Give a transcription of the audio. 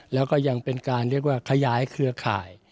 แล้วก็ยังเป็นการเรียกว่าขยายเครือข่าย